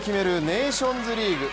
ネーションズリーグ。